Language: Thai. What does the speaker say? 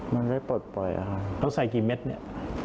มันได้ปลดปล่อยอ่ะค่ะเขาใส่กี่เม็ดเนี่ย